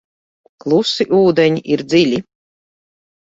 Klusi ūdeņi ir dziļi.